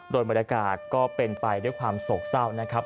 โดยบรรยากาศก็เป็นไปด้วยความโศกเศร้านะครับ